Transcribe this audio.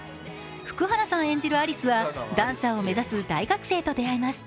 福原さん演じる有栖はダンサーを目指す大学生と出会います。